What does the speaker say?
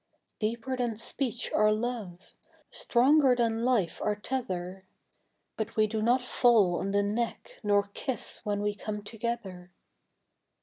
Deeper than speech our love, stronger than life our tether, But we do not fall on the neck nor kiss when we come together.